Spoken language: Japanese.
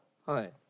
はい。